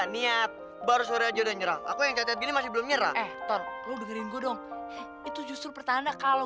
termasuk kamu juga kan mengira dia itu aku